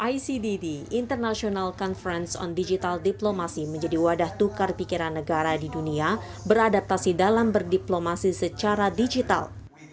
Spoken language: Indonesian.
icdd international conference on digital diplomacy menjadi wadah tukar pikiran negara di dunia beradaptasi dalam berdiplomasi secara digital